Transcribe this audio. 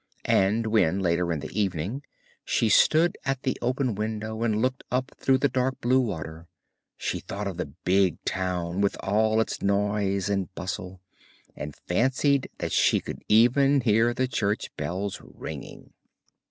and when, later in the evening she stood at the open window and looked up through the dark blue water, she thought of the big town with all its noise and bustle, and fancied that she could even hear the church bells ringing.